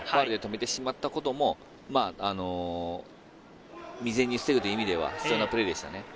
ファウルで止めてしまったことも未然に防ぐという意味では必要なプレーでしたね。